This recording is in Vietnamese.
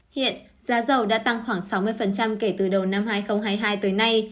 hiện giá dầu đã tăng khoảng sáu mươi kể từ đầu năm hai nghìn hai mươi hai tới nay